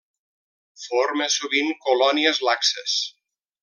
Forma sovint colònies laxes.